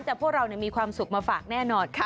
เราพวกเราได้มีความสุขมาฝากแน่นอน